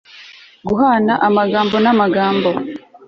guhana amagambo n'amagambo